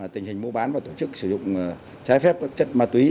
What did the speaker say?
tình hình mua bán và tổ chức sử dụng trái phép các chất ma túy